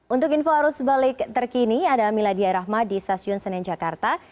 untuk info arus balik terkini ada miladia rahma di stasiun senen jakarta